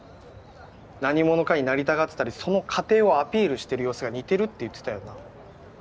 何者かになりたがってたりその過程をアピールしてる様子が似てるって言ってたよな。